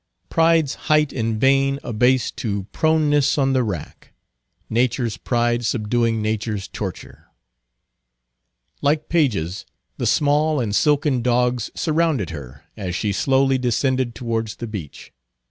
Pride's height in vain abased to proneness on the rack; nature's pride subduing nature's torture. Like pages the small and silken dogs surrounded her, as she slowly descended towards the beach.